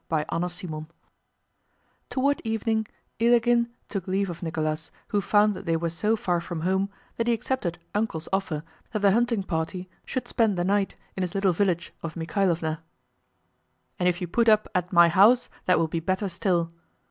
CHAPTER VII Toward evening Ilágin took leave of Nicholas, who found that they were so far from home that he accepted "Uncle's" offer that the hunting party should spend the night in his little village of Mikháylovna. "And if you put up at my house that will be better still.